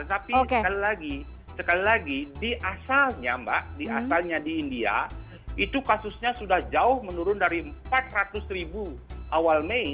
tapi sekali lagi di asalnya mbak di asalnya di india itu kasusnya sudah jauh menurun dari empat ratus ribu awal mei